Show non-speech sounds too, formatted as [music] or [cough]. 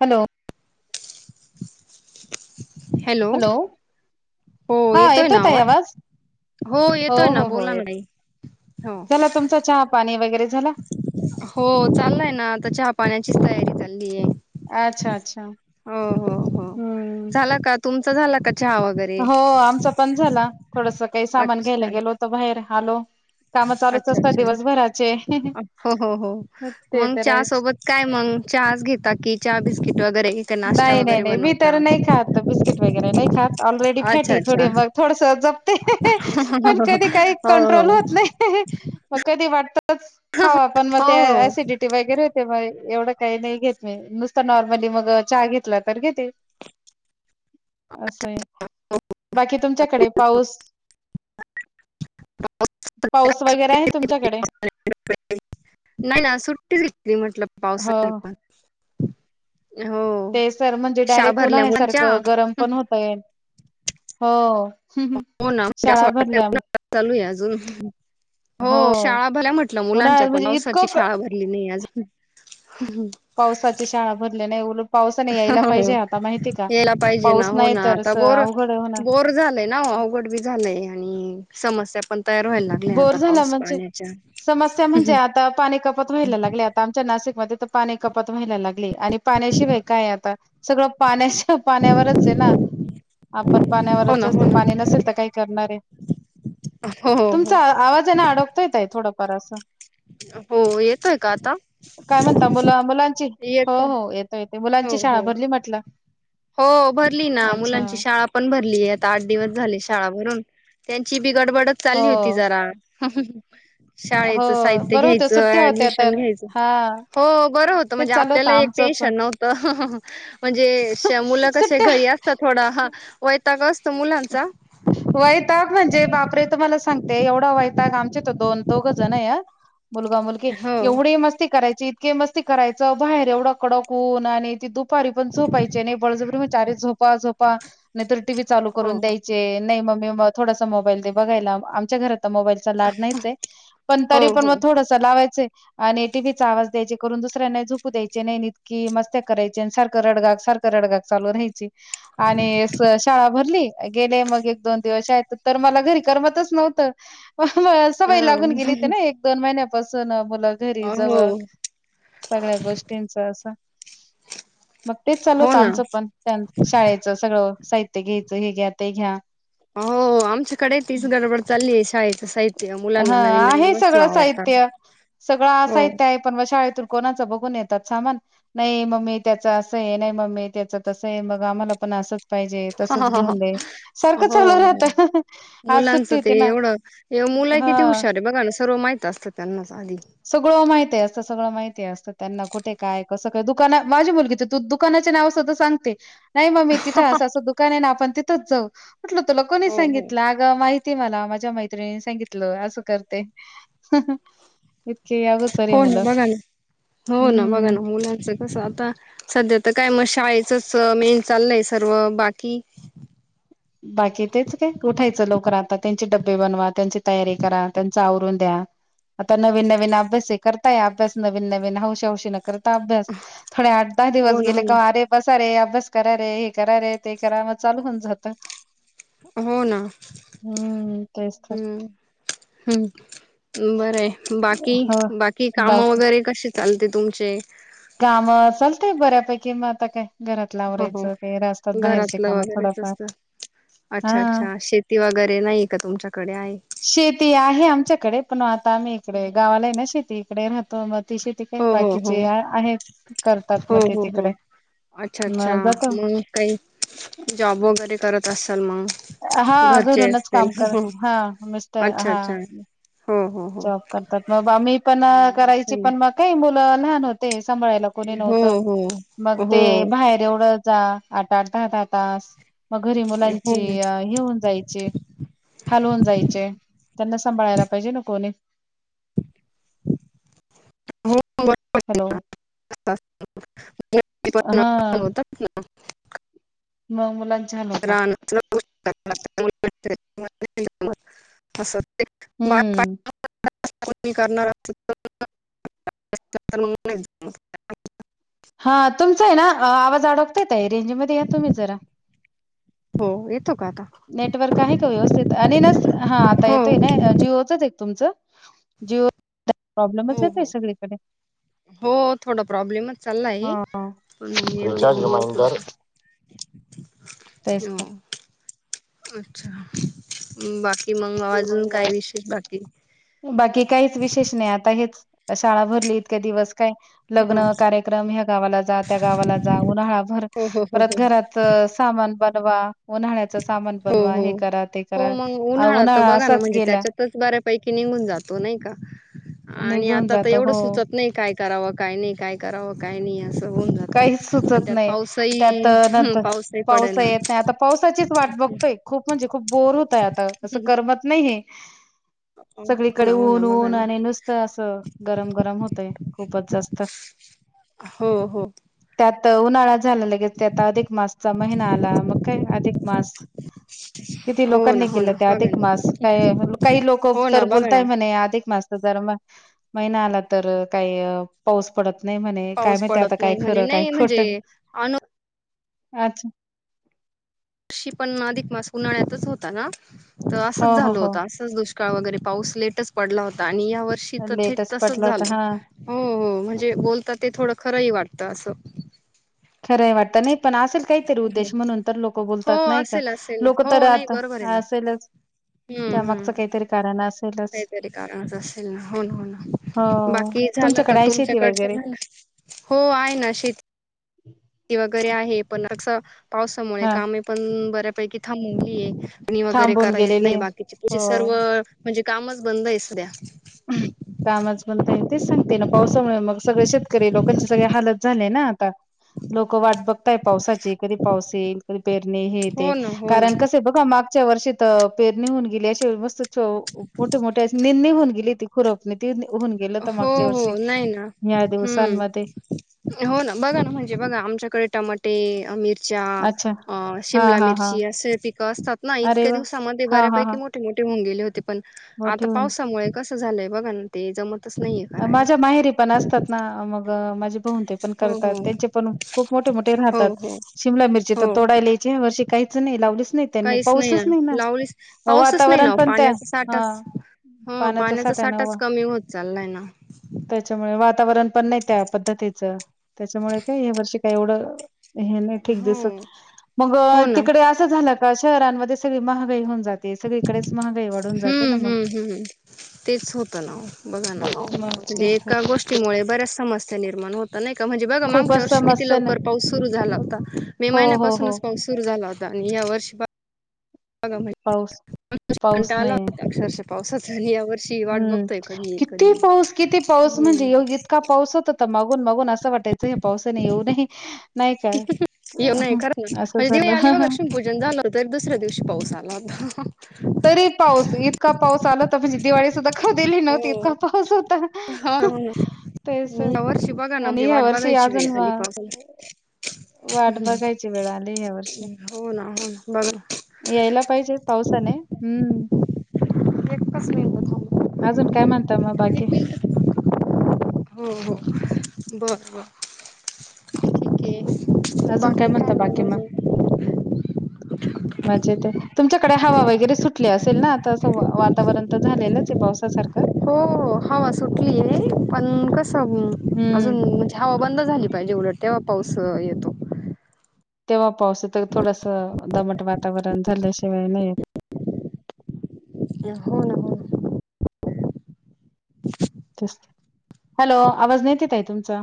Hello. [unintelligible] Hello. हो हा येतोय येतो ना ताई आवाज. हो येतोय ना हो हो बोला येत ना हो. झाला तुमचा चहा पाणी वगैरे झाला हो चाललय ना आता चहा पाण्याचीच तयारी चा लिे अच्छा अच्छा हो हो हो हम्म झाला का तुम झाला चहा वगैरे हो आमचा पण झाला थोडस काही सामान घ्यायला अच्छा गेलो तर भ हॅलो अच्छा अच्छा हो हो हो ते मग तर चहा आहेच सोबत काय मग चहाच घेता कि चहा बिस्किट वगैरे का नाश्ता नाही नाही वगैरे नाही मी बनवता तर नाही खात बिस्किट वगैरे नाही खात ऑलरेडी अच्छा फेटी थोडी अच्छा मग थोडस पण कधी काही हो हो कंट्रोल होत नाही मग कधी वाटत खावा पण मग हो ते हो सिडिटी वगैरे होते म एवढं काही नाही घेत मी नुसतं नॉर्मली मग चहा घेतला तर घेते असं आहे बाकी तुमच्याकडे पाऊस पाऊस वगैरे आहे तुमच्याकडे ति क म्हटलं पावसा हो नाही पण [unintelligible] ते सर म्हणजे शाळा डायरेक्ट भरल्या उन्हाळण्यासारखं गरम मुलांच्या पण होतय. हो. [unintelligible] [unintelligible] शाळा भरल्या हो शाळा भल्या म्हटलं मुलांच्या उन्हाळ्यात पण म्हणजे इतकं पावसाची क शाळा भरली नाही अजून पावसाची शाळा भरल्या नाही एवढ. यायला पाहिजे ना पाऊस हो नाही ना तर आता असं बोर अवघड होणार बोर झालय ना अवघड बी झालंय आणि समस्या पण तयार व्हायला लागल्या बोर आता झाला पाऊस म्हणजे पाण्याच्या. समस्या म्हणजे आता पाणी कपात व्हायला लागले आता आमच्या [unintelligible] मध्ये तर पाणी कपात व्हायला लागली. आणि पाण्याशिवाय काय हाय आता सगळं पाण्य पाण्यावरच हाय ना आपण हो ना पाण्यावरचच हो तो ना पाणी नसेल तर काही करणारे हो हो हो. तुमचा आवाजय अडकतोय ताई थोडं. [unintelligible] हो येतोय का आता काय म्हणता येतोय. ते हो मुलांची शाळा हो. भरली म्हटलं. हो भरली ना अच्छा मुलांची शाळा पण भरली. आता आठ दिवस झाले शाळा भरून. भरून त्यांची. ती गडबडच हो चालली होती जरा. [inaudible] हो शाळेच साहित्य बरं होत घ्यायचं, सुट्ट्या होत्या ऍडमिशन तर घ्यायच, हा हो बर होत तेच म्हणजे चालू होतं आपल्याला एक आमचं पण टेनशन नव्हत, म्हणजे मुलं कशे सुट्ट्या घरी असतात, थोडं हा वैताग [unintelligible] वैताग म्हण जे अरे बापरे! तुम्हाला सांगते, एवढा वैताग आमचे तर दोन दोघ जण हाय. मुलगा मुलगी हो एवढी मस्ती करायची की मस्ती करायचं, बाहेर एवढं कडक ऊन आणि ती धूप दूपारी पण झोपायचे नाही, बळजबरी विचार झोपा झोपा. पा नाही तर, टीव्ही चालू. हो करून द्यायचे नाही मग मे म थोडासा मोबाईल दे बघायला, आमच्या घरात आता मोबाईलचा लाड नाहीचए, पण हो तरी पण हो मग थोडसं लावायचंय. आणि टीव्हीचा आवाज द्यायचे करून, दुसऱ्यांना ही झोपू द्यायचे नाही, इतकी मस्त्या करायचे आन सारखं रडगाग, सारखं रडगाग चालू राहायची. आणि अस शाळा भरली. गेले मग एक दोन दिवस शाळेत, तर मला घरी करमतच नव्हतं. अ सवय लागून गेली होती नई एक-दोन महिन्यात. असं ना. मुलं घरी हो जवळ सगळ्या गोष्टींचा असं. मग तेच चालू हो होत ना आमचं पण शाळेचं सगळं साहित्य. हो क [unintelligible] हे घ्या, ते घ्या. हो आमच्याकडे तीच गडबड चालली आहे. शाळेची. हा आहे सगळं आवडतात साहित्य, सगळं हो साहित्य आहे, पण मं शाळेतून कोणाच बघून येतात सामान, नाही मम्मी त्याच असं आहे, नाही मम्मी त्याच तसं आहे, मग आम्हाला पण असंच. पाहिजे तसचं हो घेऊन दे सारखं हो चालू राहत आज सुट्टी मुलांचं ते होती ना. एवढं मुलं किती हां. हुशार आहे बघा ना सर्व माहित असतं त्यांना आधी सगळं माहिती असतं, सगळं माहिती असतं त्यांना कुठे काय कसं काय दुकाना माझी मुलगी त दुकानाचे नाव सुद्धा सांगते. नाही मम्मी तिथं असं असं दुकान आहे ना आपण तिथंच जाऊ ह म्हटलं तुला कोणी हो हो सांगितलं अगं माहिती ते मला माझ्या मैत्रिणी सांगितलं असं करते. इतकी अगोचर आहे हो ना मुलं. बघा ना हो ना बघा हम्म ना मुलांच कसं आता सध्या तर काय मशी शाळेचच मेन चाललंय सर्व बाकी बाकी तेच काय उठायचं लवकर आता त्यांचे डब्बे बनवा त्यांची तयारी करा त्यांच आवरून द्या आता नवीन नवीन अभ्यास हे करताय अभ्यास नवीन नवीन हौश हौशीन करता. अभ्यास थोडे आठ दहा हो दिवस ना हो गेले का ना अरे बसा रे अभ्यास करा रे हे करा रे ते करा मग चालू आमचं तर हो ना, तेच तर हम्म हम्म बरं हे बाकी हो बाकी काम वगैरे कशी चालते तुमचे काम चालतंय बऱ्यापैकी मग आता काय? घरातलं हो हो आवरायचं काही असतात बाहेरचे घरातलं काम वगैरेच थोडफार असतं हा अच्छा अच्छा शेती वगैरे नाही का तुमच्याकडे आहे शेती आहे आमच्याकडे पण आता आम्ही इकडे हो गावाला आहे ना शेती [unintelligible] तिश ते काही हो बाकीचे हो हाय हो हो हो अच्छा अच्छा मग काही जॉब वगैरे करत असाल मग हा घरचे घरूनच असतील काम हो करत हा मिस्टर अच्छा हा अच्छा हो हो हो जॉब करतात मग आम्ही पण हो करायची पण मग काही मुलं लहान होते. सांभाळायला कोणी नव्हत हो मग हो ते हो बाहेर एवढं जा आठ आठ दहा दहा तास मग घरी मुलांची ना. हे होऊन जायची हाल होवून जायचे त्यांना सांभाळायला पाहिजे ना होणे हॅलो असतात. [unintelligible] हा [unintelligible] होतात ना. [unintelligible] मग मुलां रानतंल असं हम्म [unintelligible] [unintelligible] करणार [unintelligible] हा तुमचाय ना आवाज अडकतोय रेंज मध्ये या तुम्ही जरा. हो येतो का आता नेटवर्क आहे का व्यवस्थित आणि नस हा आता हो येतोय ना जिओचचे तुमचं जीओ. हो हो हो थोडा प्रॉब्लेमच चाललाय हां. पण मग येतो. रिचार्ज रिमाइंडर तेच तर. अच्छा बा बाकी काहीच विशेष नाही आता हेच शाळा भरली इतके दिवस काय हो लग्न कार्यक्रम ह्या गावाला जा, त्या गावाला जा, उन्हाळा भर हो हो हो परत हो घरात सामान वा. उन्हाळ्याच सामान बनवा हे करा ते करा. अ, उन्हाळात उन्हाळा बघा ना असाच म्हणजे गेला त्यात बऱ्यापैकी निघून जातो नाही का आणि निघून आत जातो. एवढ हो. सुचत नाई काय करावं काय नई काय करावं काय नई असं होऊन जातं. काहीच आणि सुचत त्यात नाही त्यात पाऊसही हं, नंतर पाऊसही पावसही पडेना. येत नाही आता पावसाचीच वाट बघतोय खूप म्हणजे खूप बोर होतय आता असं करमत नाहीये. हो सगळीकडे ना, हो ना, ऊन बघा ऊन ना. आणि नुसतं असं गरम गरम होतंय खूपच जास्त. हो, हो, त्यात उन्हाळाच झालं लगेच त्यात अधिक मासचा महिना आला, मग काय अधिक मास किती हो ना, लोकांनी हो केला ना, ते बघा अधिक ना. मास काय काही लोक हो तर ना, बघा बोलताय ना. म्हणे अधिक मास [unintelligible] महिना आला तर काही पाऊस पडत नाही म्हणे काय पाऊस माहिती आता पडत काय नाही म्हणे खरं काय नई म्हणजे खोटं अनू अच्छा. वर्षी पण अधिक मास उन्हाळ्यातच होता ना त हो असंच हो झाल हो होतं, असंच दुष का वगैरे पाऊस लेटच पडला होता आणि या वर्षी तर थेट लेटच तसच पडला होता झालं हा हो हो म्हणजे बोलता ते थोडं खरंही वाटत त असं खरंय वाटतं नई हो बोलतात नाही का? असेल असेल लोक हो तर नाही आता बरोबर ये ना असेलच हम्म हम्म त्यामागचं काहीतरी कारण असेलच. काहीतरी कारणच असेल ना हो ना हो हो ना बाकी झालं का तुमच्याकडे आहे शेती तुमच्याकडच वगैरे झालं हो आहे ना शेत वगैरे आहे पण असं पावसामुळे हा कामे पण बऱ्या पैकी [unintelligible] मुगली ये णी वगैरे थांबून करा येत नाही गेलेले. बाकीचे पु चे हो सर्व म्हणजे कामच बंद ये सध्या कामच बंद ये तेच सांगते ना पावसामुळे मग सगळे शेतकरी लोकांची सगळे हालत झाले ना लोक वाट बघताय पावसाची कधी पावस येल कधी पेरणे हे ते हो ना हो ना. कारण कसे बघा माग च्या वर्षीत पेरणी होऊन गेली अशेल मस्त मोठे मोठे निणी होऊन गेली ती खुरपणी होऊन गेलं तर हो मागच्या हो वर्षी नाही ना या दिवसांमध्ये. हम्म हो ना बघा ना म्हणजे बघा आमच्याकडे टमाट टे [unintelligible] च्या अच्छा. अ हां, शिमला हां, हां. मिरची असे पिकं असतात ना अरे इतक्या वाह! दिवसामध्ये हां, हां, बऱ्यापैकी हां. मोठे मोठे होऊन गेल [unintelligible] पण मोठी आता होऊन. पावसामुळे कस! झालंय बघा ना ते जम - माझ्या माहेरी पण असतात ना मग माझ्या- पण हो करतात हो त्यांचे पण खूप मोठे मोठे हो राहतात हो शिमला मिरची हो तर तोडायलाची या वर्षी काहीच नाही राही! लावलीस - काहीच नाही ना लावलीस पाऊसच नाही वातावरण नव पण त्या पाण्याचा साठाच हां. अ पाण्याचा साठा ना साठाच वा कमी होत चाललाय ना! त्याच्यामुळे वातावरण- पण नाही त्या पद्धतीचं! त्याच्यामुळे काय या वर्षी काय एवढं! हे नाही ठीक हो दिसत मग हो ना तिकडे असं झाला. शहरांमध्ये सगळी महागाई होऊन जा! हम्म हम्म हम्म तेच होतं ना ओ बघा! मग म्हणजे तेच ना एका गोष्टीमुळे बऱ्याच समस! च निर्माण होत. नाही का म्हणजे बघा मागच्या खूपच वर्षी किती समस्या ना लवकर पाऊस सुरू झाला होता मे हो हो हो महिन्यापासूनच पाऊस सुरू झाला होता आणि या वर्षी! बा [unintelligible] पाऊस मागच्या वर्षी पाऊस कंटाळा आला नाही होता अक्षरशा - पाऊसा झाल्यावर! हम्म किती पाऊस किती पाऊस म्हणजे हम्म योग इतका पाऊस होता. तमाऊ बघून बगून असं वाटायचं हे पावसाने येऊ नये. नाही का [unintelligible] येऊ नाही कर ना असं म्हणजे मी आली ना बगा झालं लक्ष्मी पूजन झालं हो तरी दुसऱ्या दिवशी पाऊस आला होता. तरी पाऊस इतका पाऊस आला तर म्हणजे दिवाळी सुद्धा! कधी आली नव्हती हो इतका पाऊस होता हा [unintelligible] तेच या वर्षी बघा ना आणि म्हणजे ह्या वाट वर्षी बघायची अजून वेळ आली वा पावसाला वाट बघायची वेळ आली ह्या वर्षी हो ना हो ना बघा यायला पाहिजे पावसाने! हम्म एकच मिनट थांबनार नाही! अजून काय म्हणता मग बाकी! हो हो बरं बर ठीक आहे. अजून काय म्हणत बाकी मग मजेत आहे. तुमच्याकडे हवा वगैरे सुटले असेल ना आता असं वातावरण तर झालेलंच आहे पावसासारख! हो- हो हवा सुटली आहे पण कस हम्म अजून म्हणजे हवा बंद झाली पाहिजे उलट! तेव्हा पाऊस येतो. तेव्हा पावसात थोडस दमट वातावरण झाल्याशिवाय नाही. हो ना हो. हॅलो आवाज नते ताई आहे तुमचा